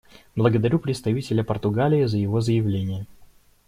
Благодарю представителя Португалии за его заявление.